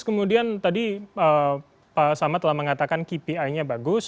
kemudian tadi pak samad telah mengatakan kpi nya bagus